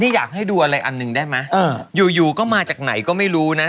นี่อยากให้ดูอะไรอันหนึ่งได้ไหมอยู่อยู่ก็มาจากไหนก็ไม่รู้นะ